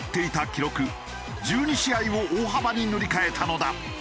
記録１２試合を大幅に塗り替えたのだ。